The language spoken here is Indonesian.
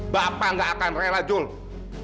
bapak gak akan rela julie